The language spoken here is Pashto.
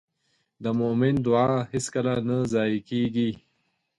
د مؤمن دعا هېڅکله نه ضایع کېږي.